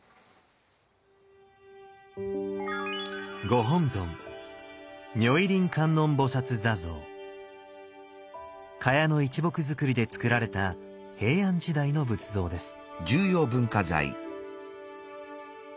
ご本尊榧の一木造で造られた平安時代の仏像です。